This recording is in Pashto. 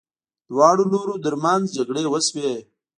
دواړو لورو ترمنځ جګړې وشوې.